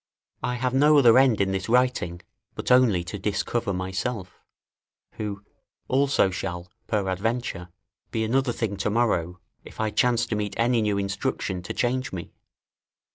I have no other end in this writing, but only to discover myself, who, also shall, peradventure, be another thing to morrow, if I chance to meet any new instruction to change me.